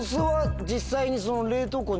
実際に。